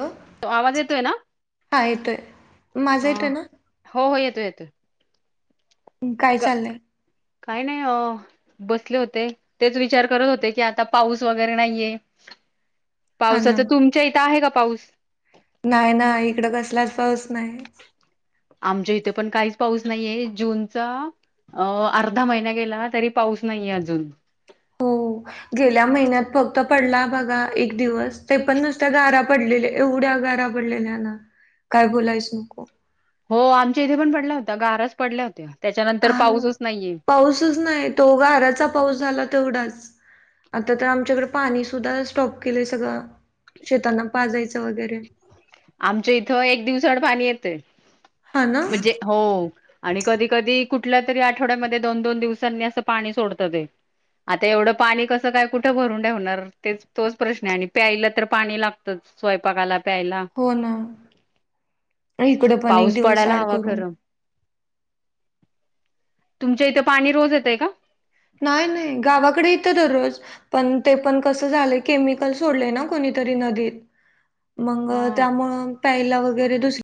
Hello तो आवाज येतोय ना हा येतोय माझा ह येतोय ना हो हो येत येत येत काय का चाललंय काही नाही हो बसले होते तेच विचार करत होते की आता पाऊस वगैरे नाहीये हा ना पावसाचं तुमच्या इथं आहे का पाऊस नाही ना इकड कसलाच पाऊस नाही. आमच्या इथे पण काहीच पाऊस नाहीये जूनचा अ अर्धा महिना गेला. तरी पाऊस नाहीये अजून? हो गेल्या महिन्यात फक्त पडला बघा एक दिवस ते पण नुसत्या गारा पडलेल्या एवढ्या गारा पडलेल्याना काय बोलायच नको? हो आमच्या इथे पण पडल्या होत्या गारच पडल्या होत्या. त्याच्यानंतर पाहा नं पाऊसच नाहीये. पाऊसच नाही. तो गाराचा पाऊस झाला तेवढाच आता ते आमच्याकड पाणी सुद्धा स्टॉप केलं सगळं शेतांना पाजयचं आमच्या इथ एक दिवसाड पाणी येतय हा ना म्हजे हो आणि कधी कधी कुठल्या तरी आठवड्यामध्ये दोन दोन दिवसांनी असं पाणी सोडताते आता एवढं पाणी कसं काय कुठं भरून ठेवणार तेच तोच प्रश्न आहे. आणि प्यायला तर पाणी लागतच स्वय पाकाला हो ना इकड पण एक पाऊस दिवसा पडायला आड हवा करून खरं तुमच्या इथे पाणी रोज येतय का? नाही नाही गावाकड येतं दररोज पण ते पण कसं झालय केमिकल सोडलय ना कोणीतरी नदीत मंग हा त्यामुळं प्यायला वगैरे दुस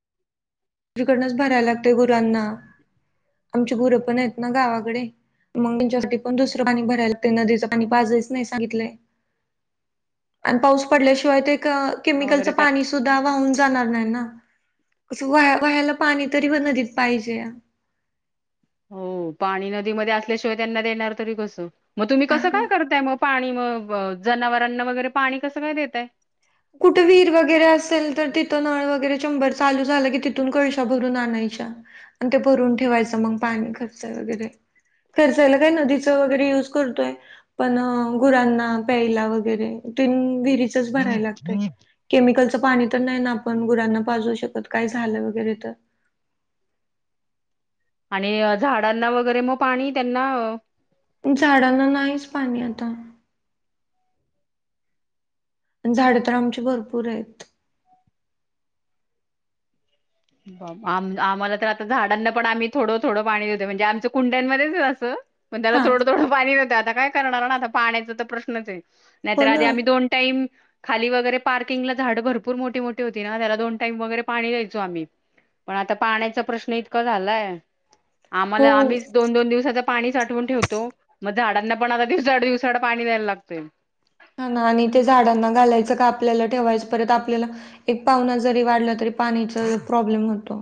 रीकडनच भरायला लागते गुरांना आमची गुरं पण आहेत. ना गावाकडे मग त्यांच्यासाठी पण दुसरं पाणी भरायला लागतय नदीच पाणी पाजच नाय सांगितलंय आणि पाऊस पडल्याशिवाय ते त केमिकलच वगैरे प्या पाणी सुध्या वाहून जाणार नाय ना असं वाया - वाह्याला पाणी तरी व नदीत पाहिजे हो पाणी नदीमध्ये असल्याशिवाय त्यांना देणार तरी कसं? मग तुम्ही हां कसं ना. काय करताय म पाणी अ व जनावरांना वगैरे पाणी कसं काय देताय कुठे विहीर वगैरे असेल. तर तिथं नळ वगैरे शंभर चालू झालं की तिथून कळशा भरून आणायच्या आणि ते भरून ठेवायच मंग पाणी खर्चाय वगैरे खर्चायला काय नदीच वगैरे युज करतोय पण गुरांना प्यायला वगैरे तेन बी हितच भरायला केमिकलच पाणी तर नाय ना आपण गुरांना पाजू शकत काय झालं वगैरे तर? आणि झाडांना वगैरे मग पाणी त्यांना अ झाडांना नाहीच पाणी आता झाडं तर आमची भरपूर आहेत. आम आम्हाला तर आता झाडांना पण आम्ही थोडं थोडं पाणी देतो म्हणजे आमचं कुंड्यांमध्येच असं पण त्याला हा थोडं थोड पाणी देतात आता काय करणार ना आता पाण्याचा तर प्रश्नच ये हो नाहीतर आधी ना आम्ही दोन टाईम खाली वगैरे पार्किंगला झाड भरपूर मोठी मोठी होती ना त्याला दोन टाईम वगैरे पाणी दयायचो आम्ही पण आता पाण्याचा प्रश्न इतका झालाय आम्हाला हो. आम्हीच दोन दोन दिवसाच पाणी साठवून ठेवतो म झाडांना पण आता दिवसाड दिवसाड पाणी द्यायला लागतय. हा ना आणि ते झाडांना घालायचं का आपल्याला ठेवायचं परत आपल्याला एक पाहुना जरी वाढला तरी पाणीच प्रॉब्लेम होतो.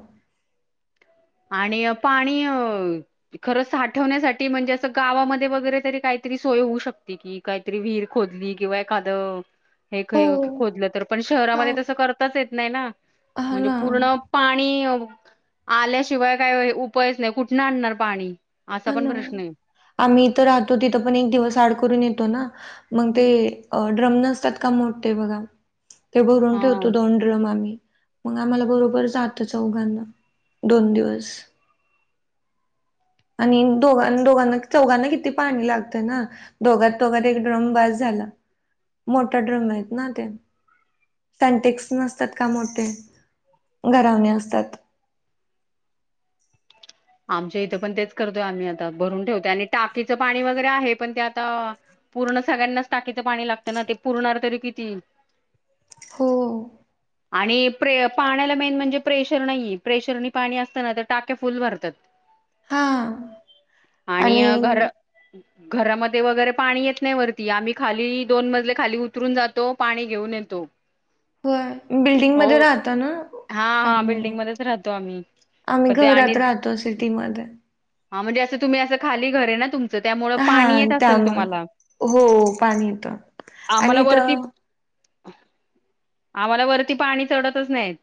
आणि पाणी खरं साठवण्यासाठी म्हणजे असं गावामध्ये वगैरे तरी काहीतरी सोय होऊ शकते की काहीतरी विहीर खोदली किंवा एखादं हे हो. खे खोदलं तर पण हा शहरामध्ये तसं करताच येत नाही ना हा म्हणजे ना पूर्ण पाणी आल्या शिवाय काय उपायच नाही कुठून आणणार पाणी? असा हा पण ना प्रश्न आहे आम्ही इथं राहतो तिथं पण एक दिवस आड करून येतो ना. मग ते ड्रम नसतात का मोठते बघा. ते भरून हा ठेवतो दोंडरम आम्ही. मग आम्हाला बरोबर जात चौघांना दोन दिवस. आणि दोघां दोघांना चौघांना किती पाणी लागतं ना दोघांत दोघत एक ड्रम बस झाला मोठा ड्रम आहेत ना ते सनटेक्स नसतात का मोठे घरावणे असतात. आमच्या इथं पण तेच करतोय आम्ही आता भरून ठेवतोय आणि टाकीचं पाणी वगैरे आहे पण ते आता पूर्ण सगळ्यांनाच टाकीचं पाणी लागत ना ते पुूरणार तरी किती? हो. आणि प्रे पाण्याला मेन म्हणजे प्रेशर नाही प्रेशरनी पाणी असताना तर टाक्या फुल भरतात. हा. आणि घर घरामध्ये वगैरे पाणी येत नाही वरती आम्ही खाली दोन मजले खाली उतरून जातो पाणी घेऊन येतो. होय बिल्डिंग मध्ये हो राहत ना हा हा त्यामुळे बिल्डिंग मध्येच राहतो आम्ही आम्ही पण ते आणि घरात राहतो सिटीमध्ये. हा म्हणजे असं तुम्ही असं खाली घरे ना त तुम हा त्यामुळे हो पाणी येत आम्हाला आणि त. वरती आम्हाला वरती पाणी चढतच नाहीत.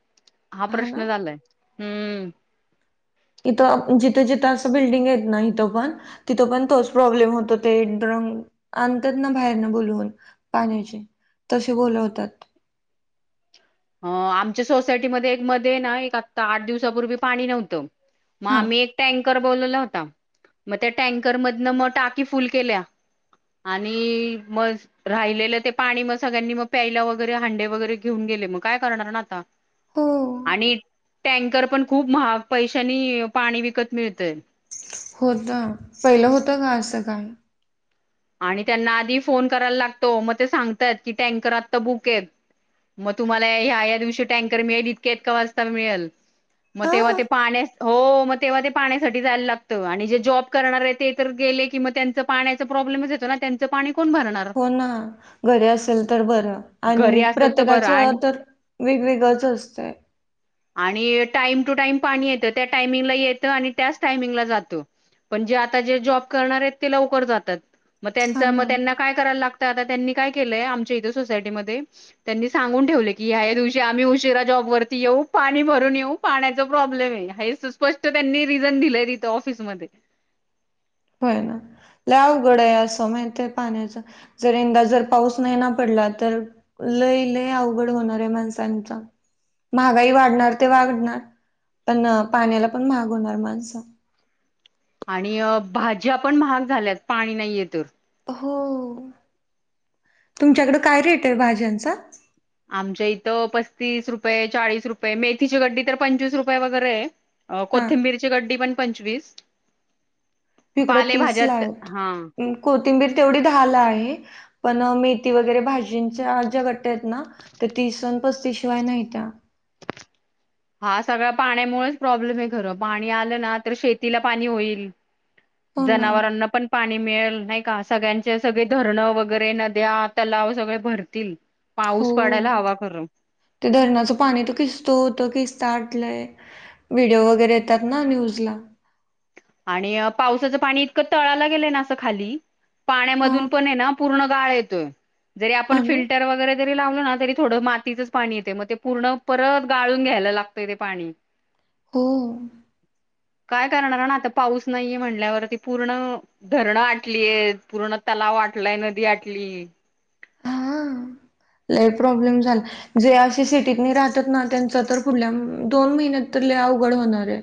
हा प्रश्न झालाय. हम्म. इथं जिथे जिथं असं बिल्डिंग य ना इथं पण तिथं पण तोच प्रॉब्लेम होतो ते ्रंग आणतात ना बाहेरन बोलवून पाण्याचे तसे बोलवतात. अ आमच्या सोसायटीमध्येध्ये एक मध्ये ना एक आता आठ दिवसापूर्वी पाणी नव्हतं. मग हा आम्ही एक टँकर बोलल होत. मग त्या टँकर मध मग टाकी फुल केल्या आणि मग राहिलेलं ते पाणी मग सगळ्यांनी मग प्यायला वगैरे हांडे वगैरे घेऊन गेले मग. काय करणार ना आता? हो आणि टँकर पण खूप महाग पैशानी पाणी विकत मिळतय. होत पहिलं होतं का असं काय? आणि त्यांना आधी फोन करायला लागतो मग ते सांगतात की टँकर आत्ता बुक आहेत मग तुम्हाला ह्या ह्या या दिवशी टँकर मिळेल इतक्या इतक्या वाजता मिळेल मग तेव्हा हां, ते पाण्या हो मग तेव्हा ते पाण्यासाठी जायला लागतं आणि जे जॉब करणार आहे ते तर गेले की मग त्यांच पाण्याच प्रॉब्लमच येतो ना त्यांचं पाणी हो ना घरी असेल तर बरं आणि घरी असेल तर प्रत्येकाच बरं आणि तर वेगवेगळच असतं. आणि टाइम टू टाइम पाणी येतं त्या टायमिंगला येतं आणि त्याच टायमिंगला जातं पण जे आता जे जॉब करणार आहेत ते लवकर जातात. मग त्यांच हां मग ना. त्यांना काय? करायला लागतय. आता त्यांनी काय केलय, आमच्या इथ सोसायटी मधे त्यांनी सांगुन देवलय कि या या दिवशी आम्ही उशिरा जॉबवरती येऊ पाणी भरुण येऊ पाण्याच प्रॉब्लेम ये, है अस स्पष्ट त्यांनी रिजन धिलय तिथ ऑफिस मध्ये. होय ना लय अवघड आहे असं माहित आहे पाण्याचा जर यंदा जर पाऊस नाही ना पडला तर लय लय अवघड होणार आहे माणसांचा. महागाई वाढणार ते वाढणार पण पाण्याला पण महाग होणार माणसं. आणि भाज्या पण महाग झाल्यात पाणी नाहीय तर. [inaudible] तुमच्याकड काय रेट हे भाज्यांचा? आमच्या इथं पस्तीस रुपये चाळीस रुपये मेथीची गड्डी तर पंचवीस रुपये वगैरे हे. अ हां. कोथिंबीरची गड्डी पण पंचवीस. तिकडं तीस ला पालेभाज्यात हे हा अम कोथिंबीर तेवढी दहा ला आहे पण मेथी वगैरे भाजींच्या ज्या गट्ट्या हेत ना त्या तीस न पस्तीसशिवाय नाहीत्या हा सगळा पाण्यामुळेच प्रॉब्लेम हे खरं पाणी आलं ना तर शेतीला पाणी होईल हो ना जनावरांना पण पाणी नी मिळेल नाही का सगळ्यांचे सगळे धरणं वगैरे नद्या तलाव सगळे भरतील पाऊस होओ पडायला हवा खरं ते धरणाचं पाणी त किसतो होत किस साठलय व्हिडिओ वगैरे येतात ना न्यूज ला. आणि अ पावसाचं पाणी इतकं तळाला गेलंय ना आता खाली हा पाण्यामधून पण हे ना पूर्ण गाळ येतोय. जरी आपण अनु फिल्टर वगैरे जरी लाव हणा तरी थोडं मातीचच पाणी येतय म ते पूर्ण परत गाळून घ्यायला लागतय ते पाणी हो. काय करणार ना आता पाऊस नाहीये म्हणल्यावरती पूर्ण धरणं आटलीयेत पूर्ण तलाव आटलाय नदी आटली हा लय प्रॉब्लेम झाल जे असे सिटीतनी राहतात ना त्यांचा तर पुढल्या अम दोन महिन्यात तर लय अवघड व्हणार हे.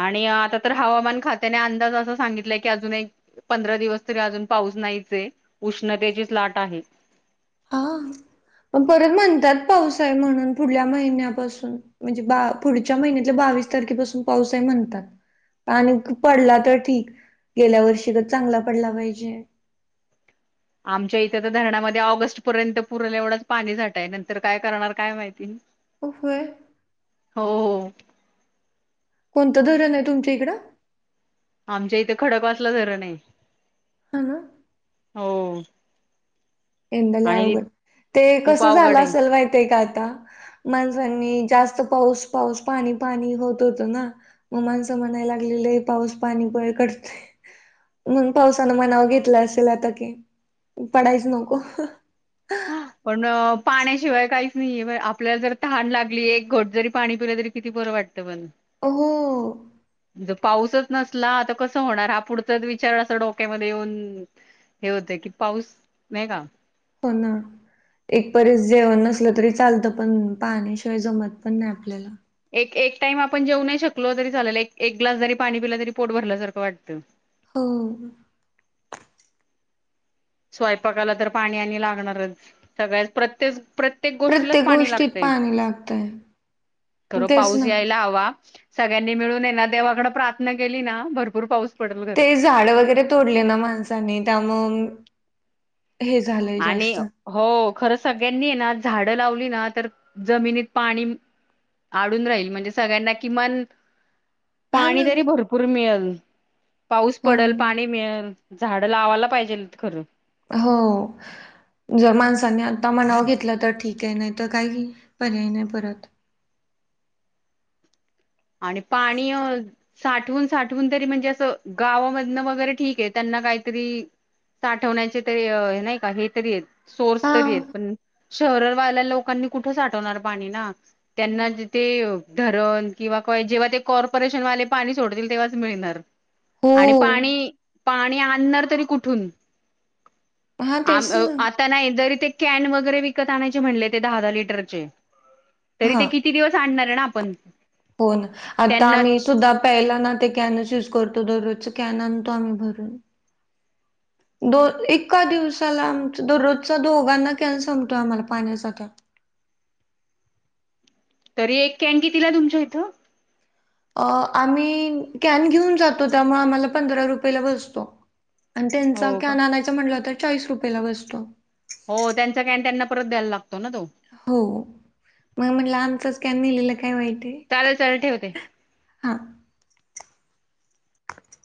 आणि अ आता तर हवामान खात्याने अंदाज असा सांगितलाय की अजून एक पंधरा दिवस तरी अजून पाऊस नाहीच उष्णतेचीच लाट आहे. आ अपरत म्हणत्यात पाऊस आहे म्हणून पुढल्या महिन्यापासून म्हणजे बा पुढच्या महिन्यातल्या बावीस तारखेपासून पाऊस आहे म्हणतात आणि क पडला तर ठीक गेल्या वर्षी गत चांगला पडला पाहिजे. आमच्या इथे तर धरणामध्ये ऑगस्ट पर्यंत पुरल एवढाच पाणी साठाय नंतर काय करणार काय माहिती उफ व्हय. हो ओ. कोणतं धरण हे तुमच्या इकडं? आमच्या इथे खडक वासला धरण हे. हा ना. हो. यंदा लय आणि अवघड ते खूप कस झालं अवघड आहे. असल माहितीय का आता माणसांनी जास त पाऊस पाऊस पाणी पाणी होत होतं ना म माणसं म्हणाय लागलेले पाऊस पाणी बळ कट तय म्हणू पावसानं मनाव घेतला असेल आता की पडायच नक. [inaudible] हा, पण पाण्याशिवाय काहीच नाहीये ब आपल्याल जर तहाण लागली एक घोट जरी पाणी पिलं तरी किती बरं वाटतं बर. अ हो. ज पाऊसच नसला त कस होणार हा पुढचाज विचार अस डोक्यामध्ये येऊन हे होतय कि पाऊस नाही का हा, एक परीस जेवण नसलं तरी चालतं पण पाण्याशिवाय जमत पण नाही आपल्याला ए एक टाइम आपण जेऊ नाही शकलो तरी चालेल एक एक ग्लास जरी पाणी पिलं तरी पोट भरल्यासारखं वाटत. हो. स्वयपाकाला तर पाणी आणि लागणारच सगळ्यास प्रत्येस प्रत्येक गोष्टीलाच पाणी गोष्टीत लागतय पाणी लागतंय. खरो तेच पाऊस ना. यायला हवा. सगळ्यांनी मिळून हेना देवाकडं प्राथना केली ना भरपूर पाऊस पडेल खरं. ते झाड वगैरे तोडले ना माणसांनी त्यामंग आणि हो. खरं सगळ्यांनी ना, झाड लावली ना, तर जमिनीत पाणी अडून राहील, म्हणजे सगळ्यांना किमान हा पाणी ना, तरी भरपूर मिळलं. रिकामा ऑडिओ पाऊस हो पडलं. ना. पाणी मिळलं. झाडं लावायला पायजेलत खरं. हो, जर माणसानी आता मनावर घेतलं तर ठीक आहे. नायतर काय पर्याय नाय परत. आणि, पाणी अ.. साठवून साठवून तरी म्हणजे असं गावामधनं वगैरे ठीक आहे. त्यांना कायतरी... साठवण्याचे तरी.. नै कां हे तरी आहेत. सोर्स हा. तरी आहेत. पण.. शहर वाल्या लोकांनी कुठं साठवणार पाणी ना, त्यांना तिथे.. धरण.. किंवा, काय जेव्हा ते कॉर्पोरेशनवाले पाणी सोडतील तेव्हाच मिळणार. हो. आणि पाणी... पाणी आणणार तरी कुठून? हा तेच ना. [unintelligible] आता नाही जरी ते.. कॅन वगैरे विकत आणायचे म्हणले ते दहा दहा लिटरचे. तरी ते किती दिवस आणणार? [unintelligible] होना, आता त्यांना आम्ही सुद्धा प्यायला ना ते कॅनच युज करतो. दररोजचा कॅन आणतो आम्ही भरून. दो एका दिवसाला आमचा दररोजचा दोघांना कॅन संपतोय आम्हाला. पाणीसाठा. तरी एक कॅन कितीला तुमच्या इथं? अ आम्ही कॅन घेऊन जातो. त्यामुळे आम्हाला पंधरा रुपयेला बसतो. आणि त्यांचा हो का कॅन आणायचा म्हटलं कां चाळीस रुपयेला बसतो. हो त्यांचा काय, आणि त्यांना परत द्यायला लागतो ना! तो. हो. मंग म्हनल आमचंच कॅन न्हेलेलं काय वाईट? चालेल चालेल ठेवते. हां.